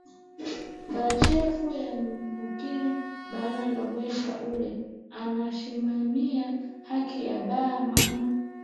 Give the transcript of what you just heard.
Bachefu ya mukini bana lombesha ule ana shimamiya haki ya ba mama